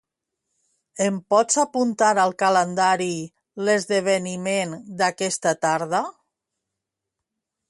Em pots apuntar al calendari l'esdeveniment d'aquesta tarda?